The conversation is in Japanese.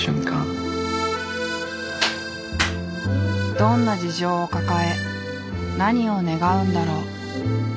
どんな事情を抱え何を願うんだろう。